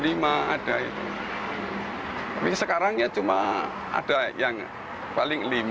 tapi sekarang ya cuma ada yang paling lima